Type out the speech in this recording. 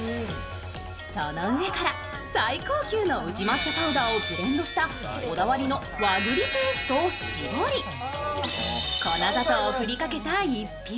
その上から最高級の宇治抹茶パウダーをブレンドしたこだわりの和ぐりペーストを絞り粉砂糖を振りかけた逸品。